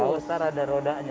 paus kan ada rodanya